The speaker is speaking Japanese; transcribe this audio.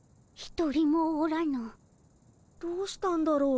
どうしたんだろう。